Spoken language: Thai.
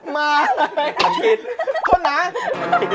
มาขนาดนี้